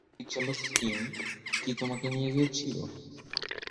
পরিচালক কিম কি তোমাকে নিয়ে গিয়েছিল?